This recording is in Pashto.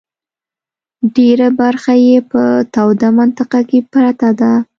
ډېره برخه یې په توده منطقه کې پرته ده.